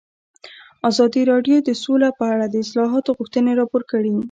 ازادي راډیو د سوله په اړه د اصلاحاتو غوښتنې راپور کړې.